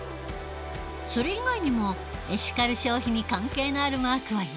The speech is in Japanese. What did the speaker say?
それ以外にもエシカル消費に関係のあるマークはいろいろある。